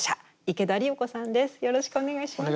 よろしくお願いします。